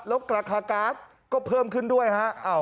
แล้วราคาก๊าซก็เพิ่มขึ้นด้วยฮะ